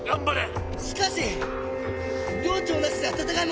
しかし寮長なしでは戦えません！